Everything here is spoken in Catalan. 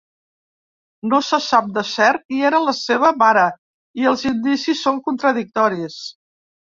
No se sap del cert qui era la seva mare i els indicis són contradictoris.